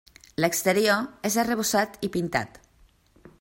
L'exterior és arrebossat i pintat.